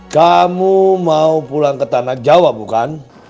kamu mau pulang ke tanah jawa bukan